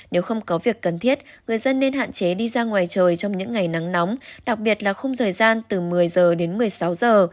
nếu không có việc cần thiết người dân nên hạn chế đi ra ngoài trời trong những ngày nắng nóng đặc biệt là không thời gian từ một mươi giờ đến một mươi sáu giờ